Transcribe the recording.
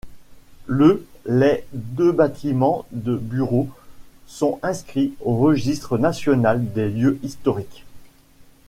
Le les deux bâtiments de bureaux sont inscrits au Registre national des lieux historiques.